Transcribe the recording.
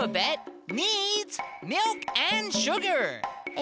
え